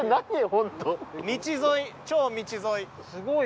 ホント道沿い超道沿い